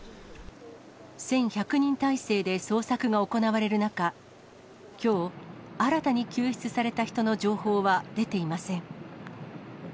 １１００人態勢で捜索が行われる中、きょう、新たに救出された人の情報は出ていません。